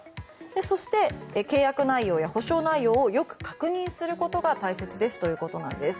そして、契約内容や補償内容をよく確認することが大切ですということなんです。